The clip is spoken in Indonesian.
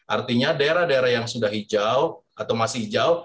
artinya daerah daerah yang sudah hijau atau masih hijau